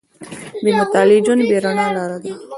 • بې مطالعې ژوند، بې رڼا لاره ده.